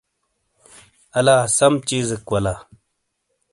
الا سم چیزیک ولا ۔